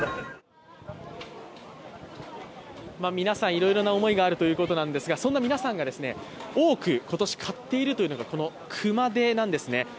皆さん、いろいろな思いがあるということなんですが、そんな皆さんが多く、今年、買っているのがこの熊手なんですね。